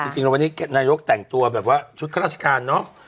จริงแล้ววันนี้นายกแต่งตัวแบบว่าชุดข้าราชการเนอะ